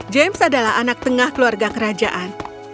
james adalah anak tengah keluarga kerajaan